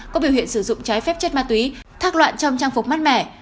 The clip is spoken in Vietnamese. có biểu hiện sử dụng trái phép chất ma túy thác loạn trong trang phục mát mẻ